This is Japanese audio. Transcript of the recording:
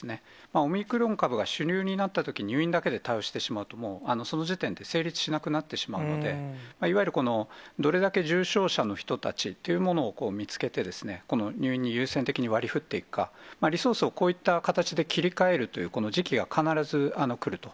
オミクロン株が主流になったとき、入院だけで対応してしまうと、もうその時点で成立しなくなってしまうので、いわゆるどれだけ重症者の人たちっていうものを見つけて、この入院に優先的に割り振っていくか、リソースをこういった形で切り替えるといった時期が必ず来ると。